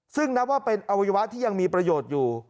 ซึ่งนับว่าเป็นอวัยวะที่ยังมีประโยชน์อยู่